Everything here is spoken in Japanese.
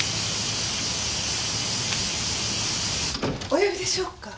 お呼びでしょうか？